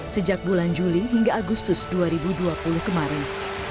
sejak bulan juli hingga agustus dua ribu dua puluh kemarin